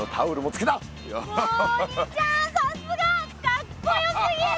かっこよすぎる！